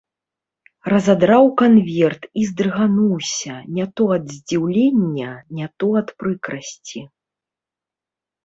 Разадраў канверт і здрыгануўся не то ад здзіўлення, не то ад прыкрасці.